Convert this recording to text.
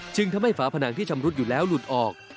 จึงทำให้ฝาผนังที่ชำรุดอยู่แล้วหลุดออก